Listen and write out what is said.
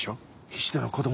菱田の子供。